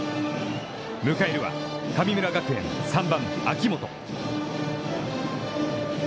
迎えるは、神村学園３番、秋元。